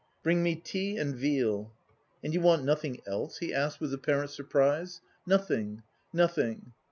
"Bring me tea and veal." "And you want nothing else?" he asked with apparent surprise. "Nothing, nothing."